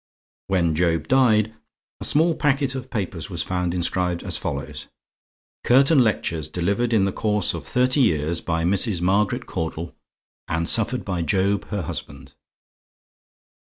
When Job died, a small packet of papers was found inscribed as follows: "Curtain Lectures delivered in the course of Thirty Years by Mrs. Margaret Caudle, and suffered by Job, her Husband."